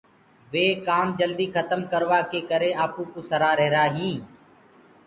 وي ڪآم جلدي کتم ڪروآ ڪي ڪري آپو ڪوُ سرآ رهيرآ هينٚ۔